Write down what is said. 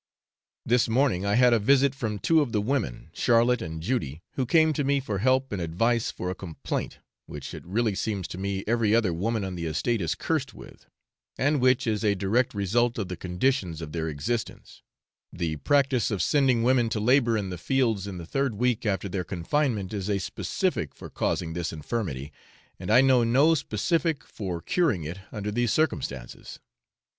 This morning I had a visit from two of the women, Charlotte and Judy, who came to me for help and advice for a complaint, which it really seems to me every other woman on the estate is cursed with, and which is a direct result of the conditions of their existence; the practice of sending women to labour in the fields in the third week after their confinement is a specific for causing this infirmity, and I know no specific for curing it under these circumstances.